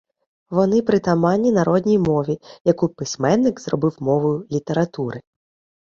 Вони притаманні народній мові, яку письменник зробив мовою літератури.